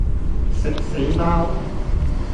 食死貓